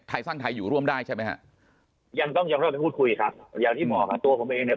สร้างไทยอยู่ร่วมได้ใช่ไหมฮะยังต้องยังเริ่มไปพูดคุยครับอย่างที่บอกครับตัวผมเองเนี่ย